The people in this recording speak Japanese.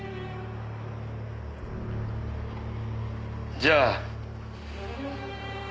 じゃあ。